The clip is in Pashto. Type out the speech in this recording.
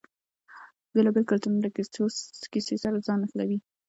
بیلابیل کلتورونه له کیسې سره ځان نښلوي.